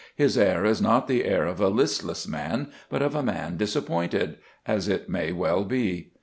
His air is not the air of a listless man, but of a man disappointed, as it may well be.